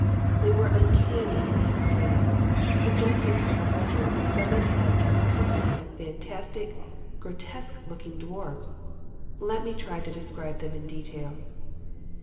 They were uncanny in the extreme, suggesting to the beholder the severed heads of a company of fantastic, grotesque looking dwarfs. Let me try to describe them in detail.